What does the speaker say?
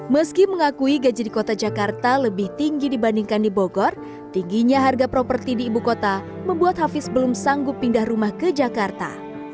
meski mengakui gaji di kota jakarta lebih tinggi dibandingkan di bogor tingginya harga properti di ibu kota membuat hafiz belum sanggup pindah rumah ke jakarta